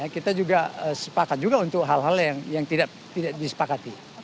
kita juga sepakat juga untuk hal hal yang tidak disepakati